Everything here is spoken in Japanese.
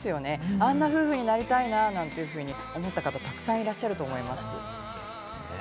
あんな夫婦になりたいな、なんていうふうに思った方はたくさんいらっしゃると思います。